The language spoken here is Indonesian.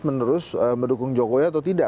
menerus mendukung jokowi atau tidak